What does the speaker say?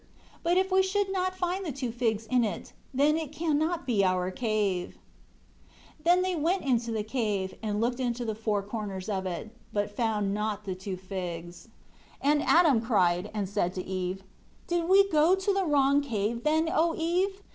But if we should not find the two figs in it, then it cannot be our cave." 4 They went then into the cave, and looked into the four corners of it, but found not the two figs. 5 And Adam cried and said to Eve, "Did we go to the wrong cave, then, O Eve?